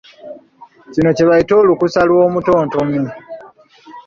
Kino kye bayita olukusa lw’omutontomi.